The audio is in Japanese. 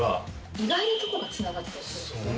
意外なとこがつながってたり。